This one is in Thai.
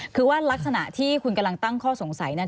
คือว่ารักษณะที่คุณกำลังตั้งข้อสงสัย